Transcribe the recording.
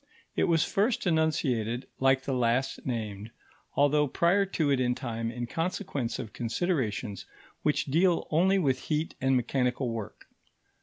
It was first enunciated, like the last named, although prior to it in time, in consequence of considerations which deal only with heat and mechanical work.